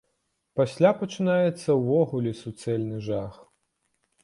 Пасля пачынаецца ўвогуле суцэльны жах.